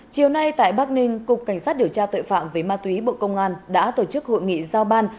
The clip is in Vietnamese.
chiều nay tại bắc ninh cục cảnh sát điều tra tội phạm về ma túy bộ công an đã tổ chức hội nghị giao ban